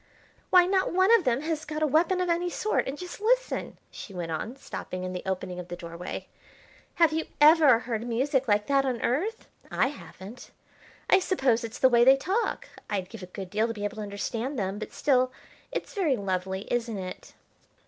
"Why, not one of them has got a weapon of any sort; and just listen," she went on, stopping in the opening of the doorway, "have you ever heard music like that on Earth? I haven't. I suppose it's the way they talk. I'd give a good deal to be able to understand them. But still, it's very lovely, isn't it?"